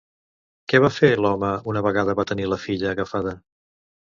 Què va fer, l'home, una vegada va tenir la filla agafada?